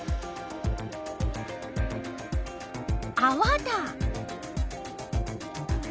あわだ！